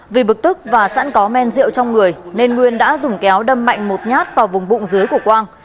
vì bực tức và sẵn có men rượu trong người nên nguyên đã dùng kéo đâm mạnh một nhát vào vùng bụng dưới của quang